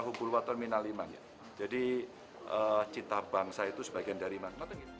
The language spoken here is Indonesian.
hubulwat terminal lima jadi cinta bangsa itu sebagian dari bangsa